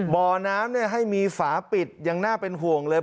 บ่อน้ำให้มีฝาปิดยังน่าเป็นห่วงเลย